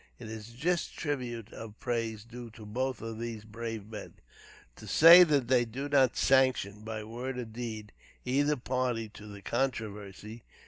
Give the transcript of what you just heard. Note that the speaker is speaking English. It is a just tribute of praise due to both of these brave men, to say that they do not sanction, by word or deed, either party to the controversy.